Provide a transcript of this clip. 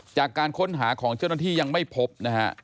จากการค้นหาของเจ้าหน้าที่ยังไม่พบนะฮะ